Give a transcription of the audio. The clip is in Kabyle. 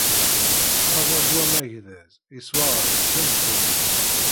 Adabu amagdez yeswaɣay kan bab-is.